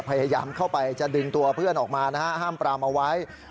พยายามเข้าไปจะดึงตัวเพื่อนออกมานะฮะห้ามปรามเอาไว้